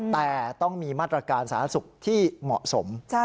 แต่ต้องมีมาตรการสาธารณสุขที่เหมาะสม